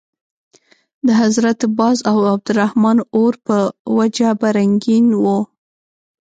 د حضرت باز او عبدالرحمن اور په وجه به رنګین وو.